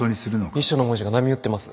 遺書の文字が波打ってます。